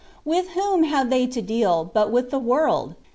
With whom have they to deal, but with the world?